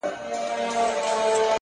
پرمختګ له دوامداره تمرین زېږي,